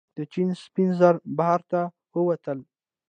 د چین سپین زر بهر ته ووتل.